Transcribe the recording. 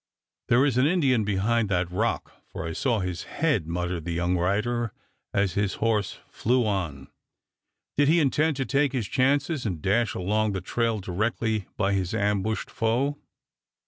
"There is an Indian behind that rock, for I saw his head," muttered the young rider as his horse flew on. Did he intend to take his chances and dash along the trail directly by his ambushed foe?